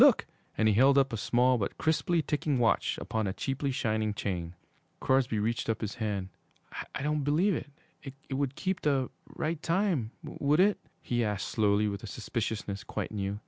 Look!' And he held up a small but crisply ticking watch upon a cheaply shining chain. Crosby reached up his hand. 'I don't believe it would keep the right time would it?' he asked slowly, with a suspiciousness quite new.